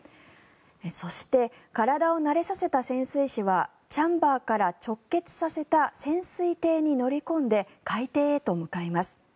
そして、体を慣れさせた潜水士はチャンバーから直結させた潜水艇に乗り込んで海底へと向かいます。